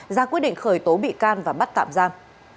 ra quyết định khởi tố bị can và bắt tạm giam